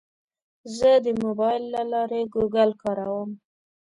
زه د موبایل له لارې ګوګل کاروم.